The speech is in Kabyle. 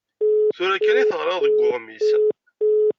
Tura kan i t-ɣriɣ deg uɣmis.